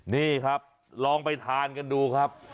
นี่ครับลองไปทานกันดูครับ